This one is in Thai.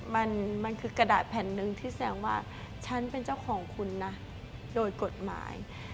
มันมันคือกระดาษแผ่นหนึ่งที่แสดงว่าฉันเป็นเจ้าของคุณนะโดยกฎหมาย